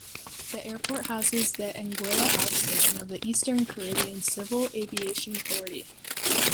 The airport houses the Anguilla Outstation of the Eastern Caribbean Civil Aviation Authority.